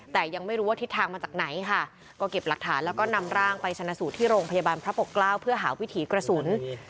แต่ยังไม่รู้ว่าทิศทางมาจากไหนค่ะก็เก็บหลักฐานแล้วก็นำร่างไปชนะสูตรที่โรงพยาบาลพระปกเกล้าเพื่อหาวิถีกระสุน